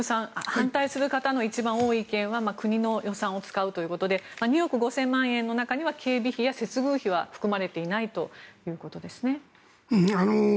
反対する方の一番多い意見は国の予算を使うということで２億５０００万円の中には警備費や接遇費は含まれていないということですね。